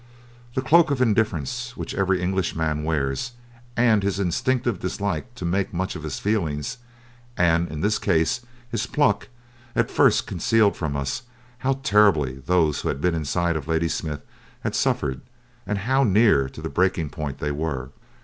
The cloak of indifference which every Englishman wears, and his instinctive dislike to make much of his feelings, and, in this case, his pluck, at first concealed from us how terribly those who had been inside of Ladysmith had suffered, and how near to the breaking point they were.